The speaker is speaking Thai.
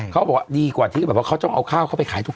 เขาบอกว่าดีกว่าที่แบบว่าเขาต้องเอาข้าวเขาไปขายถูก